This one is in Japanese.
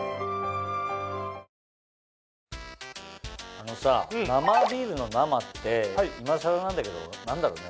あのさ生ビールの「生」って今更なんだけど何だろうね？